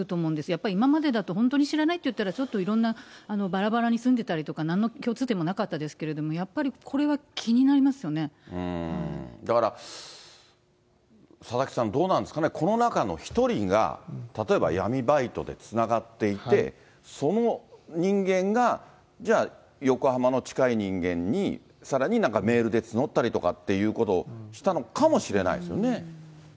やっぱり今までだと、本当に知らないっていったら、ちょっといろんな、ばらばらに住んでたりとか、なんの共通点もなかったですけれども、やっぱりこれは気になりまだから、佐々木さん、どうなんですかね、この中の１人が、例えば闇バイトでつながっていて、その人間が、じゃあ横浜の近い人間にさらになんかメールで募ったりとかっていうのをしたのかもしれないですよね。